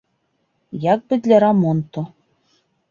Як бы для рамонту.